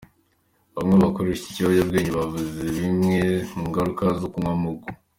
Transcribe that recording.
Bamwe mu bakoresha iki kiyobyabwenge bavuze zimwe mu ingaruka zo kunywa Mugo .